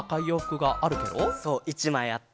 そう１まいあって。